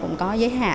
cũng có giới hạn